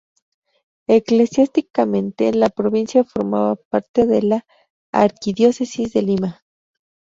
Eclesiásticamente la provincia formaba parte de la arquidiócesis de Lima.